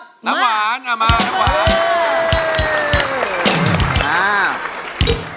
เพื่อจะไปชิงรางวัลเงินล้าน